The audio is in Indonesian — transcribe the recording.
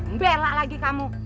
mbelak lagi kamu